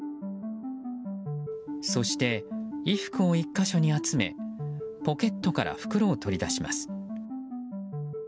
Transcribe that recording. そして、衣服を１か所に集めポケットから袋を取り出します。